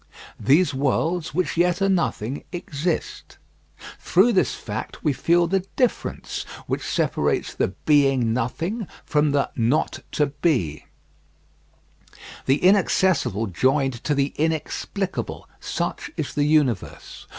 These worlds, which yet are nothing, exist. Through this fact we feel the difference which separates the being nothing from the not to be. The inaccessible joined to the inexplicable, such is the universe.